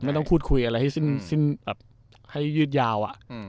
ไม่ต้องคุดคุยอะไรให้ยืดยาว